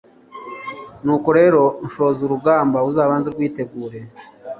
nuko rero nushoza urugamba uzabanze urwitegure